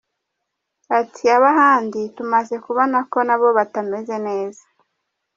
Ati “Ab’ahandi tumaze kubona ko na bo batameze neza.